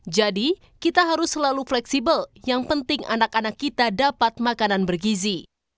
jadi kita harus selalu fleksibel yang penting anak anak kita dapat makanan bergizi